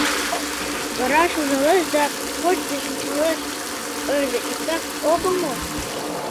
Вара «шужалеш» да «кочде шинчалеш»-ыже иктак огыл мо?